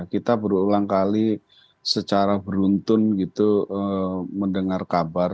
kita berulang kali secara beruntun gitu mendengar kabar